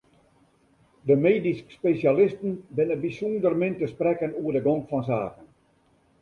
De medysk spesjalisten binne bysûnder min te sprekken oer de gong fan saken.